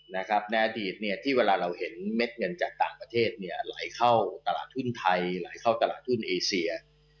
ในอดีตเนี่ยที่เวลาเราเห็นเม็ดเงินจากต่างประเทศเนี่ยไหลเข้าตลาดทุนไทยไหลเข้าตลาดทุนเอเซีย